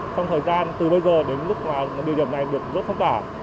trong thời gian từ bây giờ đến lúc điều điểm này được rốt phong tỏa